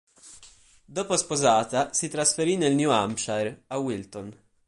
Dopo sposata, si trasferì nel New Hampshire, a Wilton.